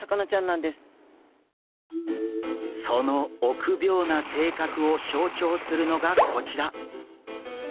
その臆病な性格を象徴するのがこちら。